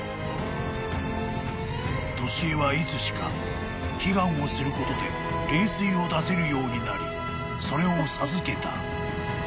［年恵はいつしか祈願をすることで霊水を出せるようになりそれを授けた］